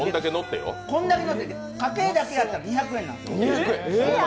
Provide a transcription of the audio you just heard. こんだけのってて、かけだけだったら２００円なんですよ。